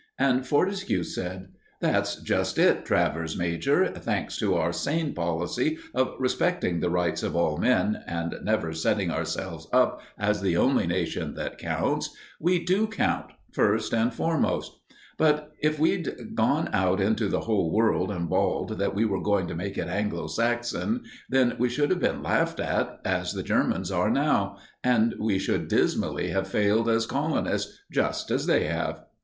And Fortescue said: "That's just it, Travers major. Thanks to our sane policy of respecting the rights of all men, and never setting ourselves up as the only nation that counts, we do count first and foremost; but if we'd gone out into the whole earth and bawled that we were going to make it Anglo Saxon, then we should have been laughed at, as the Germans are now; and we should dismally have failed as colonists, just as they have."